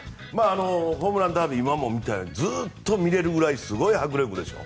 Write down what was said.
ホームランダービーずっと見れるくらいすごい迫力でしょ。